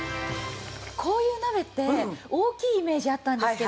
こういう鍋って大きいイメージあったんですけど